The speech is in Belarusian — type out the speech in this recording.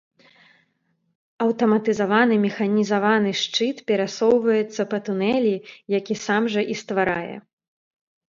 Аўтаматызаваны механізаваны шчыт перасоўваецца па тунэлі, які сам жа і стварае.